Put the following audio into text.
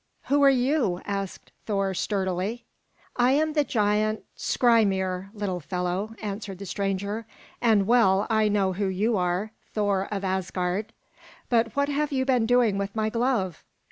"Who are you?" asked Thor sturdily. "I am the giant Skrymir, little fellow," answered the stranger, "and well I know who you are, Thor of Asgard. But what have you been doing with my glove?"